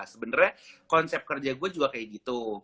sebenarnya konsep kerja gue juga kayak gitu